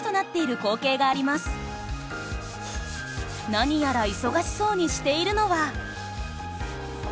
何やら忙しそうにしているのは。